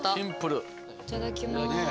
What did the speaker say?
いただきます。